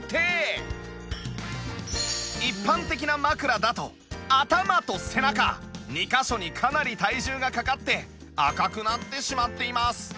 一般的な枕だと頭と背中２カ所にかなり体重がかかって赤くなってしまっています